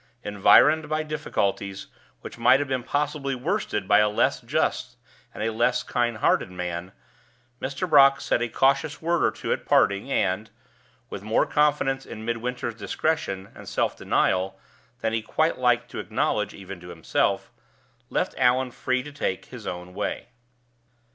Environed by difficulties, which might have been possibly worsted by a less just and a less kind hearted man, Mr. Brock said a cautious word or two at parting, and (with more confidence in Midwinter's discretion and self denial than he quite liked to acknowledge, even to himself) left Allan free to take his own way.